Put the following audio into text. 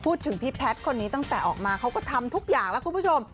พี่แพทย์คนนี้ตั้งแต่ออกมาเขาก็ทำทุกอย่างแล้วคุณผู้ชม